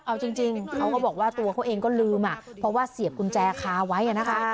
เอาจริงเขาก็บอกว่าตัวเขาเองก็ลืมเพราะว่าเสียบกุญแจคาไว้นะคะ